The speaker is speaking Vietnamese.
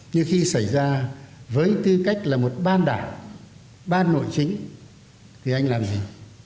nhưng khi xảy ra với tư cách là một ban đảng ban nội chính thì anh làm gì